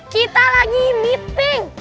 kita lagi meeting